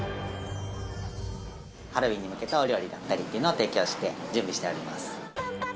ハロウィーンに向けたお料理だったりというのを提供をして、準備しております。